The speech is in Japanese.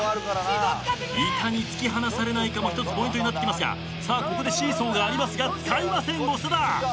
いかに突き放されないかも一つポイントになってきますがここでシーソーがありますが使いません長田。